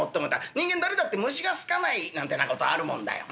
人間誰だって虫が好かないなんてな事はあるもんだよ。